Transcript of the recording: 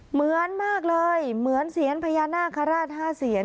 เหมือนมากเลยเหมือนเซียนพญานาคาราช๕เสียน